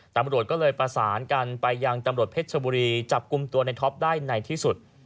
ตำรวจก็เลยประสานกันไปยังตำรวจเพชรชบุรีจับกลุ่มตัวในท็อปได้ในที่สุด